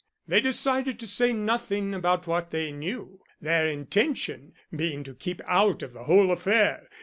"They decided to say nothing about what they knew, their intention being to keep out of the whole affair.